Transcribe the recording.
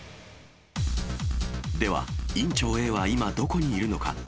では、院長Ａは今、どこにいるのか。